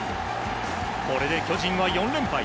これで巨人は４連敗。